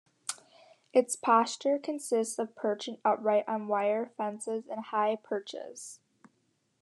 Its posture consists of perching upright on wire fences and high perches.